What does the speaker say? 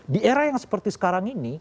di era yang seperti sekarang ini